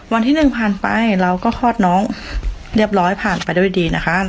วันที่หนึ่งผ่านไปเราก็คลอดน้องเรียบร้อยผ่านไปด้วยดีนะคะ